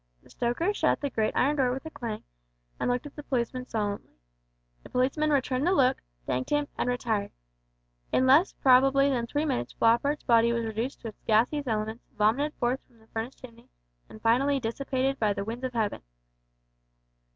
The stoker shut the great iron door with a clang, and looked at the policeman solemnly. The policeman returned the look, thanked him, and retired. In less probably than three minutes Floppart's body was reduced to its gaseous elements, vomited forth from the furnace chimney, and finally dissipated by the winds of heaven.